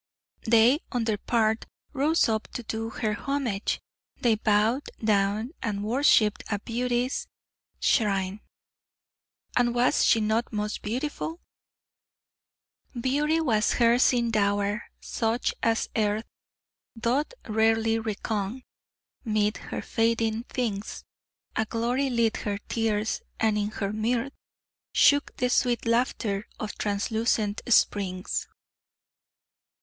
They on their part rose up to do her homage; they bowed down and worshiped at beauty's shrine. And was she not most beautiful? "Beauty was hers in dower, such as earth Doth rarely reckon 'mid her fading things: A glory lit her tears, and in her mirth Shook the sweet laughter of translucent springs."